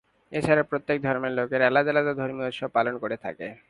এছাড়া প্রত্যেক ধর্মের লোকেরা আলাদা আলাদা ধর্মীয় উৎসব পালন করে থাকে।